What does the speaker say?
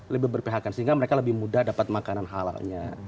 lebih berpihakan sehingga mereka lebih mudah dapat makanan halalnya